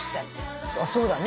そうだね。